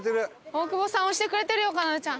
大久保さん押してくれてるよかなでちゃん。